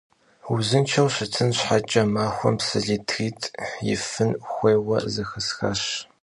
Vuzınşşeu şıtın şheç'e maxuem psı litrit' yifın xuêyue zexesxaş.